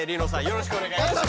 よろしくお願いします。